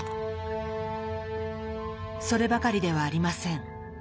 そればかりではありません。